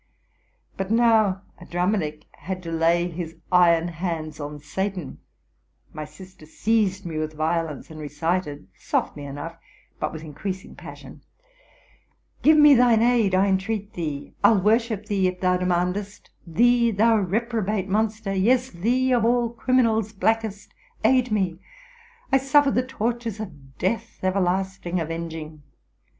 But now Adramelech had to lay his iron hands on Satan: my sister seized me with violence, and recited, softly enough, but with increasing passion, — "Give me thine aid, I entreat thee: I'll worship thee if thou de mandest, Thee, thou reprobate monster, yes, thee, of all criminals blackest! Aid me. I suffer the tortures of death, everlasting, avenging!